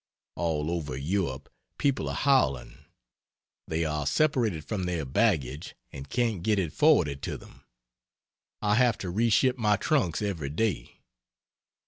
(All over Europe people are howling; they are separated from their baggage and can't get it forwarded to them) I have to re ship my trunks every day.